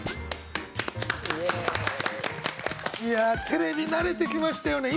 テレビ慣れてきましたよね。